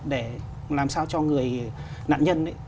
để làm sao cho người nạn nhân ấy